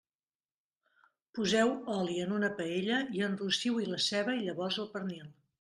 Poseu oli en una paella i enrossiu-hi la ceba i llavors el pernil.